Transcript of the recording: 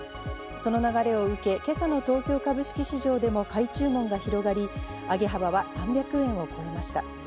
その流れを受け、今朝の東京株式市場でも買い注文が広がり、上げ幅は３００円を超えました。